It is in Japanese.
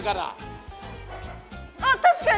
あっ確かに！